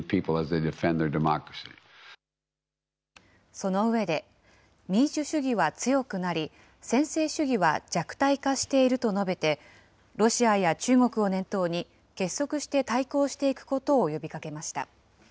その上で、民主主義は強くなり、専制主義は弱体化していると述べて、ロシアや中国を念頭に、結束して対抗していくことを呼びかけました。